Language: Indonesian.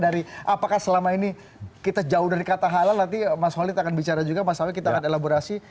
dari apakah selama ini kita jauh dari kata halal nanti mas holid akan bicara juga mas sawit kita akan elaborasi